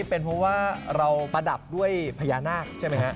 เป็นเพราะว่าเราประดับด้วยพญานาคใช่ไหมฮะ